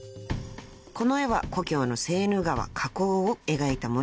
［この絵は故郷のセーヌ川河口を描いたもので］